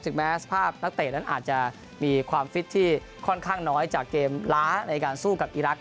แม้สภาพนักเตะนั้นอาจจะมีความฟิตที่ค่อนข้างน้อยจากเกมล้าในการสู้กับอีรักษ